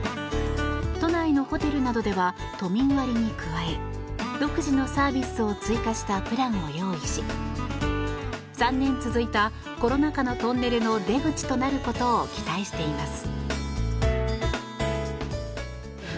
都内のホテルなどでは都民割に加え独自のサービスを追加したプランを用意し３年続いたコロナ禍のトンネルの出口となることを期待しています。